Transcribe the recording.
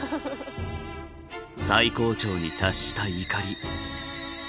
最高潮に達した怒り。